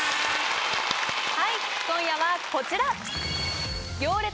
はい今夜はこちら！